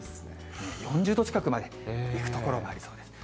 ４０度近くまでいく所もありそうです。